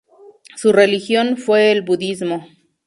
Su religión fue el Budismo.